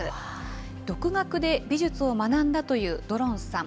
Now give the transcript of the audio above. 独学で美術を学んだというドロンさん。